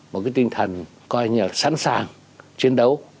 một cái tình hình coi như là sẵn sàng chiến đấu